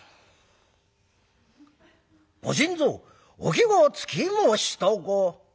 「『ご新造お気が付きましたか？』。